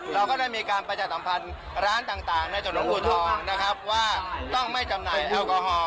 เราก็ได้มีการประชาสัมพันธ์ร้านต่างในจังหวัดหลวงอูทองนะครับว่าต้องไม่จำหน่ายแอลกอฮอล